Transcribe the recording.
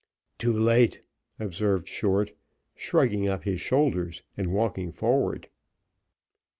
"Too late," observed Short, shrugging up his shoulders, and walking forward.